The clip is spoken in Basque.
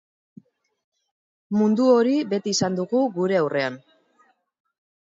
Mundu hori beti izan dugu gure aurrean.